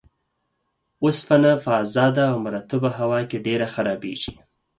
اوسپنه په ازاده او مرطوبه هوا کې ډیر خرابیږي.